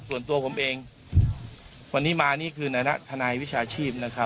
ส่วนตัวผมเองวันนี้มานี่คือนักทนายวิชาชีพ